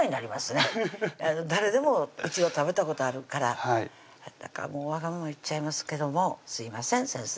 誰でも一度は食べたことあるからわがまま言っちゃいますけどもすいません先生